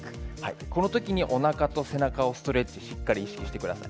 このときに、おなかと背中をストレッチしっかり意識してください。